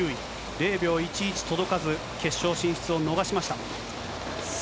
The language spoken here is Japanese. ０秒１１届かず、決勝進出を逃しました。